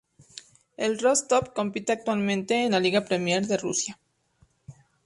El Rostov compite actualmente en la Liga Premier de Rusia.